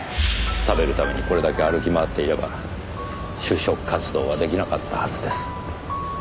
食べるためにこれだけ歩き回っていれば就職活動はできなかったはずです。